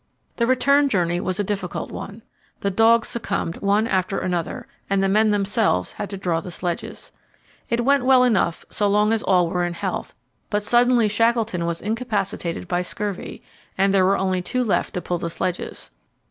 The return journey was a difficult one. The dogs succumbed one after another, and the men themselves had to draw the sledges. It went well enough so long as all were in health; but suddenly Shackleton was incapacitated by scurvy, and there were only two left to pull the sledges.